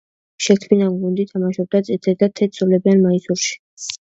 შექმნიდან გუნდი თამაშობდა წითელ და თეთრ ზოლებიან მაისურში.